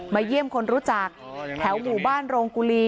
เยี่ยมคนรู้จักแถวหมู่บ้านโรงกุลี